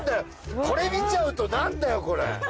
これ見ちゃうとなんだよこれ！